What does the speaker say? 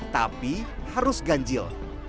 tapi harus ganjil